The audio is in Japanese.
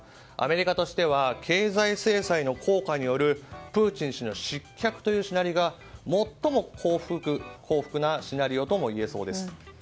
アメリカとしては経済制裁の効果によるプーチン氏の失脚というシナリオが最も幸福なシナリオともいえそうです。